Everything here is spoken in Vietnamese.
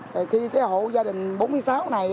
rồi khi cái hộ gia đình bốn mươi người